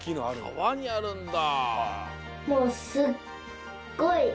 かわにあるんだ。